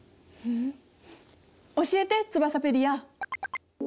教えてツバサペディア！